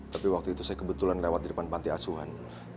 tapi waktu itu saya kebetulan lewat di depan panti asuhan